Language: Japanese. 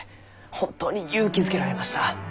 本当に勇気づけられました。